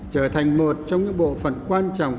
trở thành một trong những bộ phần quan trọng